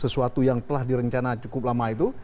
sesuatu yang telah direncana cukup lama itu